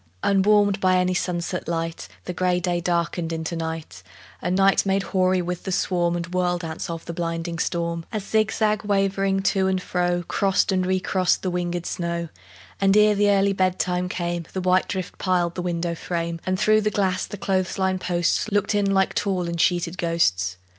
Unwarmed by any sunset light The gray day darkened into night, A night made hoary with the swarm And whirl dance of the blinding storm, As zigzag wavering to and fro Crossed and recrossed the wingèd snow: And ere the early bed time came The white drift piled the window frame, And through the glass the clothes line posts Looked in like tall and sheeted ghosts.